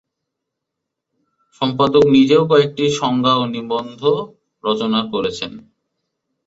সম্পাদক নিজেও কয়েকটি সংজ্ঞা ও নিবন্ধ রচনা করেছেন।